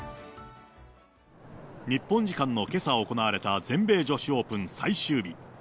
日本時間のけさ行われた全米女子オープン最終日。